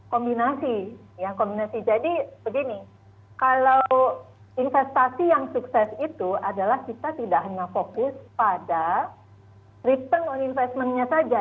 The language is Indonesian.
kombinasi ya kombinasi jadi begini kalau investasi yang sukses itu adalah kita tidak hanya fokus pada tristen on investment nya saja